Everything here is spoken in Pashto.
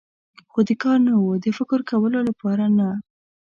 خو د کار نه و، د فکر کولو لپاره نه.